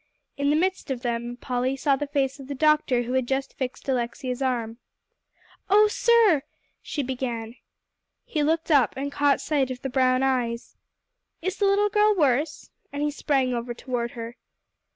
In the midst of them, Polly saw the face of the doctor who had just fixed Alexia's arm. "Oh sir," she began. He looked up, and caught sight of the brown eyes. "Is the little girl worse?" And he sprang over toward her.